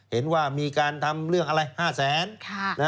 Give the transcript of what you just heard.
เห็นว่ามีการทำเรื่องอะไร๕แสน